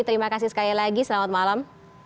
terima kasih sekali lagi selamat malam